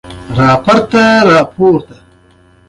د پښتنو لودي او سور کورنیو هلته واک درلود.